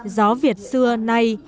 gió việt xưa nay